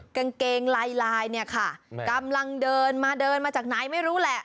กางเกงลายลายเนี่ยค่ะกำลังเดินมาเดินมาจากไหนไม่รู้แหละ